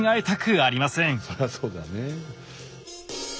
そりゃそうだね。